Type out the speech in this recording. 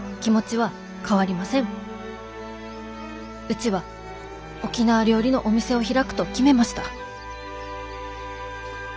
うちは沖縄料理のお店を開くと決めました」。